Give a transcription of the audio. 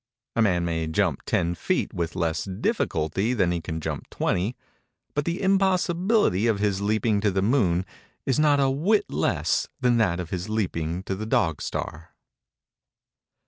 A man may jump ten feet with less difficulty than he can jump twenty, but the impossibility of his leaping to the moon is not a whit less than that of his leaping to the dog star.